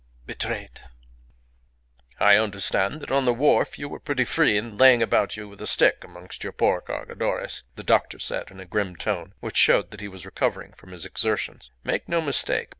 Betrayed!" "I understand that on the wharf you were pretty free in laying about you with a stick amongst your poor Cargadores," the doctor said in a grim tone, which showed that he was recovering from his exertions. "Make no mistake.